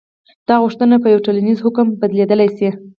دا غوښتنه په یوه ټولیز حکم بدلېدلی شي.